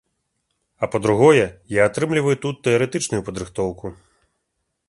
А па-другое, я атрымліваю тут тэарэтычную падрыхтоўку.